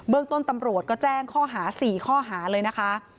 ต้นตำรวจก็แจ้งข้อหา๔ข้อหาเลยนะคะ